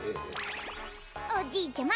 おじいちゃま。